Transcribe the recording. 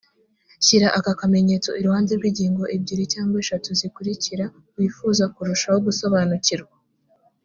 shyira aka kamenyetso iruhande rw’ingingo ebyiri cyangwa eshatu zikurikira wifuza kurushaho gusobanukirwa